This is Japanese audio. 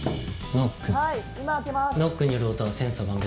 ノックノックによる音は千差万別。